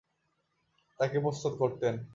তাকে প্রস্তুত করতেন।